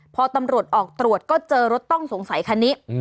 พอตำรวจออกตรวจก็เจอรถต้องสงสัยคันนี้